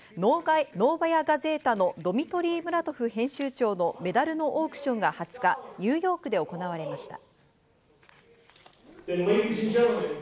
ノーバヤ・ガゼータのドミトリー・ムラトフ編集長のメダルのオークションが２０日、ニューヨークで行われました。